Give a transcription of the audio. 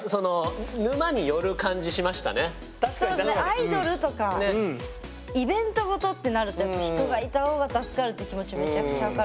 アイドルとかイベントごとってなるとやっぱ人がいた方が助かるって気持ちめちゃくちゃ分かる。